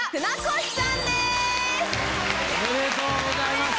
おめでとうございます！